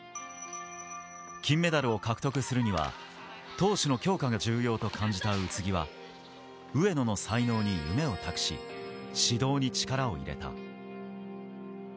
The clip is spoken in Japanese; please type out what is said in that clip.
金メダルを獲得するには、投手の強化が重要と感じた宇津木は、上野の才能に夢を託し、指導に力を入れた。